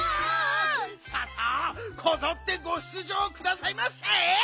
さあさあこぞってご出じょうくださいませ！